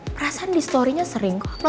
permisi pak regar